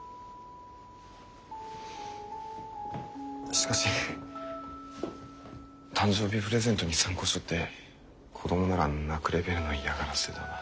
しかし誕生日プレゼントに参考書って子供なら泣くレベルの嫌がらせだな。